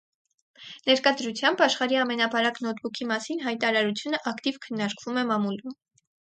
Ներկա դրությամբ՝ աշխարհի ամենաբարակ նոթբուքի մասին հայտարարությունը, ակտիվ քննարկվում է մամուլում։